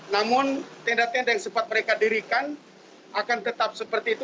namun tenda tenda yang sempat mereka dirikan akan tetap seperti itu